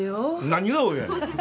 何が「およ」やねん。